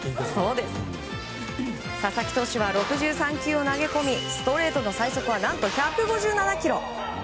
佐々木投手は６３球を投げ込みストレートの最速は１５７キロ。